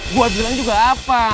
gue bilang juga apa